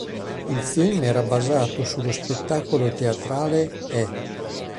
Il film era basato sullo spettacolo teatrale "Eh!